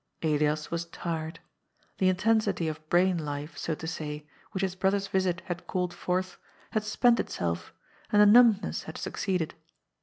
Elias was tired. The intensity of brain life, so to say, which his brother's visit had called forth, had spent itself, and a numbness had succeeded.